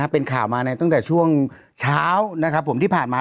เป็นข่าวมาตั้งแต่ช่วงเช้าที่ผ่านมา